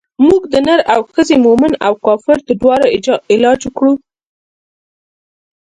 موږ د نر او ښځې مومن او کافر د دواړو علاج کړو.